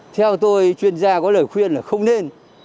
theo tôi chuyên gia có lời khuyên là không nên